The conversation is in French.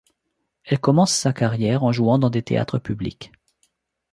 Elle commence sa carrière en jouant dans des théâtres publics.